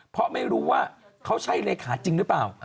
เพราะไม่รู้ว่าเขาใช่เลขาจริงหรือเปล่า